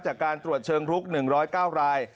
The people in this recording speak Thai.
จากการตรวจเชิงลุก๑๐๙ราย